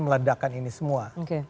meledakan ini semua